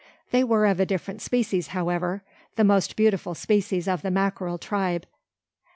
They were of a different species, however, the most beautiful species of the mackerel tribe.